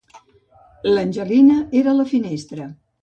L'Angelina era a la finestra.